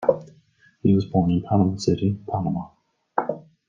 He was born in Panama City, Panama.